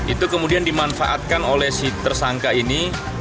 itu kemudian dimanfaatkan oleh si tersangka ini